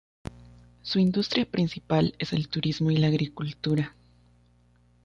Su industria principal es el turismo y la agricultura.